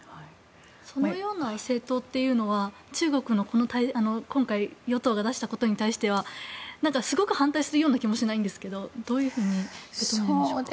そのような政党というのは中国の、今回与党が出したことに対してはすごく反対するような気もしないんですけどどう受け止めているんでしょうか。